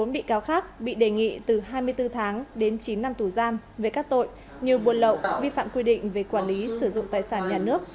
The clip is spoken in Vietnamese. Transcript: một mươi bị cáo khác bị đề nghị từ hai mươi bốn tháng đến chín năm tù giam về các tội như buôn lậu vi phạm quy định về quản lý sử dụng tài sản nhà nước